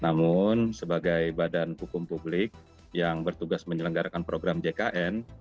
namun sebagai badan hukum publik yang bertugas menyelenggarakan program jkn